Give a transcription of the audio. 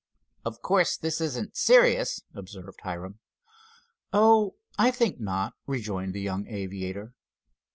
"Of course, this isn't serious," observed Hiram. "Oh, I think not," rejoined the young aviator.